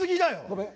ごめん。